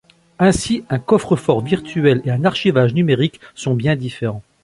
Ainsi, un coffre-fort virtuel et un archivage numérique sont bien différents.